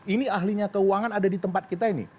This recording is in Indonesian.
ini ahlinya keuangan ada di tempat kita ini